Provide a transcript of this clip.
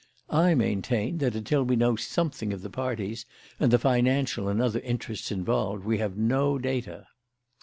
I maintain that until we know something of the parties and the financial and other interests involved we have no data."